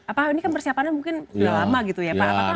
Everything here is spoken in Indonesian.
apa ini kan persiapanan mungkin sudah lama gitu ya pak